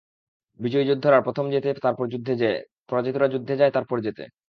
বিজয়ী যোদ্ধারা প্রথমে জেতে তারপর যুদ্ধে যায়, পরাজিতরা যুদ্ধে যায় তারপর জেতে।